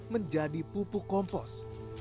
menjadi pupuk kompos